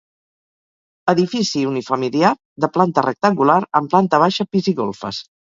Edifici unifamiliar, de planta rectangular, amb planta baixa, pis i golfes.